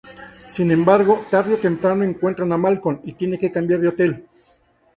Sin embargo, tarde o temprano encuentran a Malcolm, y tiene que cambiar de hotel.